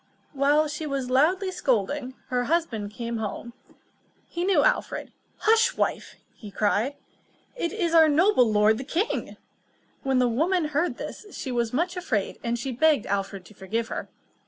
While she was loudly scolding, her husband came home. He knew King Alfred. "Hush, wife!" cried he. "It is our noble lord the king!" When the woman heard this, she was much afraid, and she begged Alfred to forgive her.